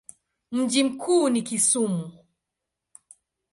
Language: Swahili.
Mji mkuu ni Kisumu.